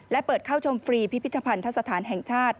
และเปิดเข้าชมฟรีพิพิธภัณฑสถานแห่งชาติ